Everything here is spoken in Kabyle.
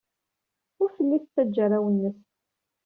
Ur telli tettajja arraw-nnes.